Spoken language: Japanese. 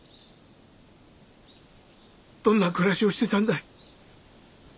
どんな暮らしをしてたんだい？